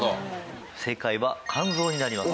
正解は肝臓になります。